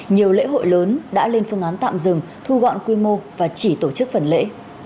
nhiều lễ hội lớn đã lên phương án tạm dừng thu gọn quy mô và chỉ tổ chức phần lễ